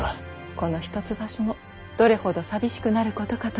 この一橋もどれほど寂しくなることかと。